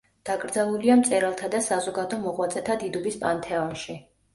დაკრძალულია მწერალთა და საზოგადო მოღვაწეთა დიდუბის პანთეონში.